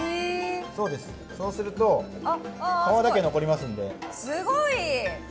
そうすると、皮だけ残りますんで。